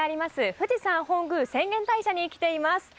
富士山本宮浅間大社に来ています。